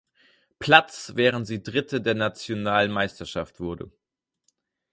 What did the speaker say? Platz, während sie Dritte der nationalen Meisterschaft wurde.